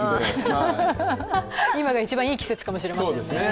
今がいちばんいい季節かもしれませんね。